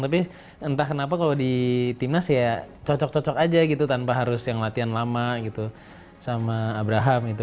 tapi entah kenapa kalau di timnas ya cocok cocok aja gitu tanpa harus yang latihan lama gitu sama abraham gitu